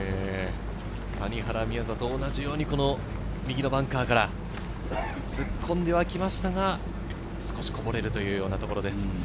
谷原、宮里、同じように右のバンカーから突っ込んではきましたが、少しこぼれるというところです。